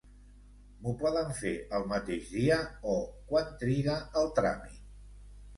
M'ho poden fer el mateix dia o quant triga el tràmit?